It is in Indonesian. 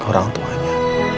ke orang tuanya